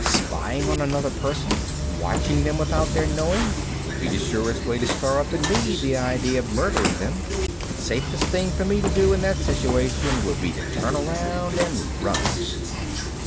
Spying on another person, watching them without their knowing, would be the surest way to stir up in me the idea of murdering them. Safest thing for me to do in that situation would be to turn around and run."